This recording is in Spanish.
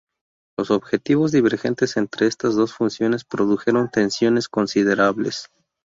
Los objetivos divergentes entre estas dos facciones produjeron tensiones considerables.